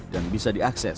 dan bisa diakses